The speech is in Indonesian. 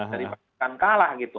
dari bahkan kalah gitu